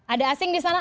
ada asing di sana